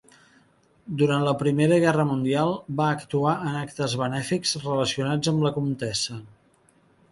Durant la Primera Guerra Mundial va actuar en actes benèfics relacionats amb la contesa.